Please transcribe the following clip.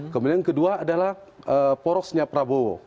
kemudian kedua adalah porosnya prabowo